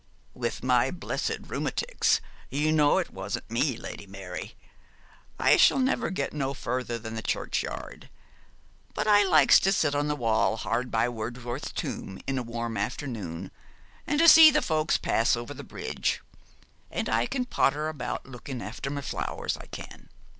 'With my blessed rheumatics, you know it isn't in me, Lady Mary. I shall never get no further than the churchyard; but I likes to sit on the wall hard by Wordsworth's tomb in a warm afternoon, and to see the folks pass over the bridge; and I can potter about looking after my flowers, I can.